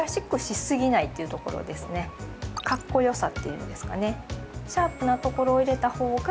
かっこよさっていうんですかね